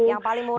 yang paling murah